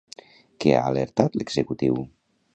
Què ha alertat l'executiu?